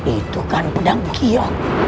itu kan pedang kia